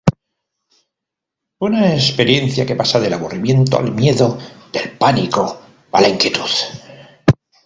Una experiencia que pasa del aburrimiento al miedo, del pánico a la inquietud.